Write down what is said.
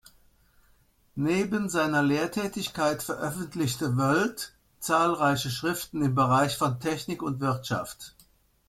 Neben seiner Lehrtätigkeit veröffentlichte Woldt zahlreiche Schriften im Bereich von Technik und Wirtschaft.